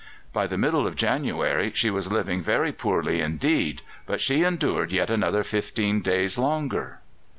By the middle of January she was living very poorly indeed, but she endured yet another fifteen days longer.